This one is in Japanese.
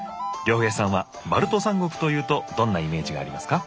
亮平さんはバルト三国というとどんなイメージがありますか？